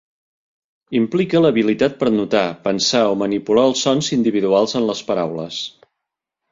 Implica l'habilitat per notar, pensar o manipular els sons individuals en les paraules.